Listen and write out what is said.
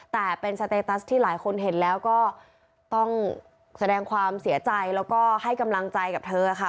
แต่เป็นสเตตัสที่หลายคนเห็นแล้วก็ต้องแสดงความเสียใจแล้วก็ให้กำลังใจกับเธอค่ะ